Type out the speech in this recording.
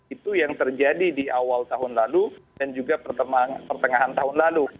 itu yang terjadi di awal tahun lalu dan juga pertengahan tahun lalu